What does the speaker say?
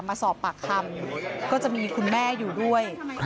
มาสอบปากคำก็จะมีคุณแม่อยู่ด้วย